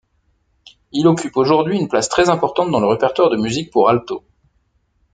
Il occupe aujourd'hui une place très importante dans le répertoire de musique pour alto.